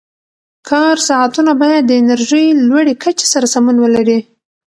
کار ساعتونه باید د انرژۍ لوړې کچې سره سمون ولري.